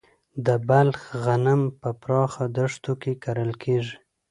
د بلخ غنم په پراخه دښتو کې کرل کیږي.